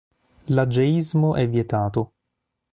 L'ageismo è vietato.